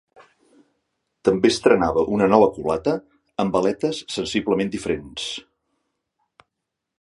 També estrenava una nova culata amb aletes sensiblement diferents.